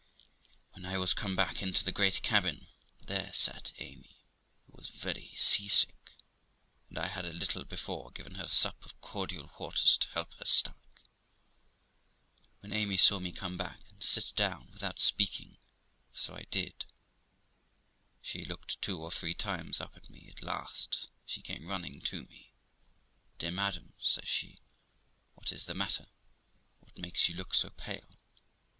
When I was come back into the great cabin, there sat Amy, who was very sea sick, and I had a little before given her a sup of cordial waters to help her stomach. When Amy saw me come back and sit down without speaking, for so I did, she looked two or three times up at me; at last she came running to me. 'Dear madam', says she, 'what is the matter? What makes you look so pale